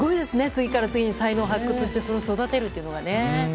次から次に才能を発掘してそれを育てるというのがね。